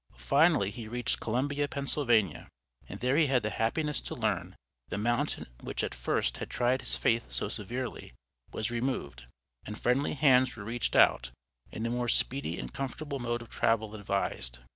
Finally, he reached Columbia, Pennsylvania, and there he had the happiness to learn, that the mountain which at first had tried his faith so severely, was removed, and friendly hands were reached out and a more speedy and comfortable mode of travel advised.